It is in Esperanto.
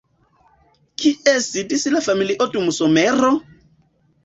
Kie sidis la familio dum somero?